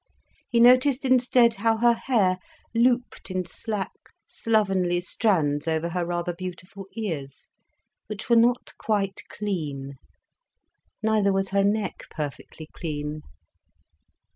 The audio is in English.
He noticed instead how her hair looped in slack, slovenly strands over her rather beautiful ears, which were not quite clean. Neither was her neck perfectly clean.